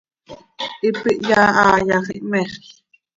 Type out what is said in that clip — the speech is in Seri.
Hipi hyaa ha yax, ihmexl.